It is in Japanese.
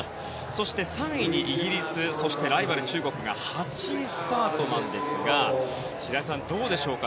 そして３位にイギリスそしてライバル、中国が８位スタートなんですが白井さん、どうでしょうか。